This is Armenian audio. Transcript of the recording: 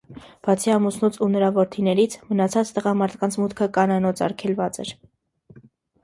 Բացի ամուսնուց ու նրա որդիներից՝ մնացած տղամարդկանց մուտքը կանանոց արգելված էր։